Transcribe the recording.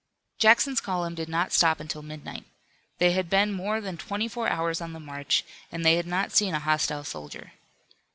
Jackson's column did not stop until midnight. They had been more than twenty four hours on the march, and they had not seen a hostile soldier.